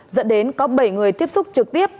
dẫn đến có bảy người tiếp xúc trực tiếp